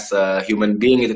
se human being gitu